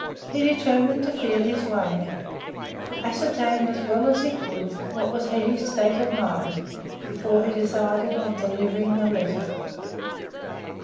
He determined to feel his way—to ascertain as well as he could what was Hetty's state of mind before he decided on delivering the letter.